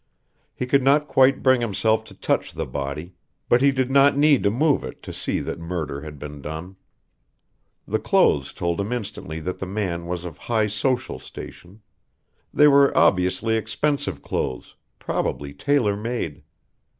He could not quite bring himself to touch the body, but he did not need to move it to see that murder had been done. The clothes told him instantly that the man was of high social station. They were obviously expensive clothes, probably tailor made.